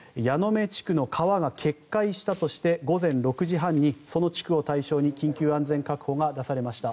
矢目地区の川が決壊したとして午前６時半にその地区を対象に緊急安全確保が出されました。